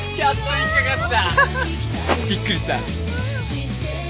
びっくりした？